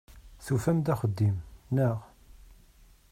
Tufam-d axeddim, naɣ?